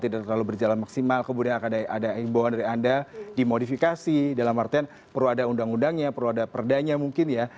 tidak terlalu berjalan maksimal kemudian akan ada himbauan dari anda dimodifikasi dalam artian perlu ada undang undangnya perlu ada perdanya mungkin ya